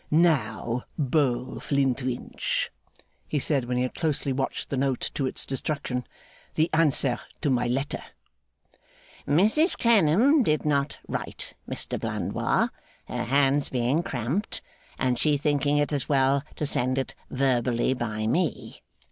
'Now, Beau Flintwinch,' he said, when he had closely watched the note to its destruction, 'the answer to my letter?' 'Mrs Clennam did not write, Mr Blandois, her hands being cramped, and she thinking it as well to send it verbally by me.